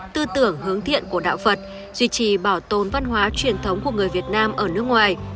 tư tưởng hướng thiện của đạo phật duy trì bảo tồn văn hóa truyền thống của người việt nam ở nước ngoài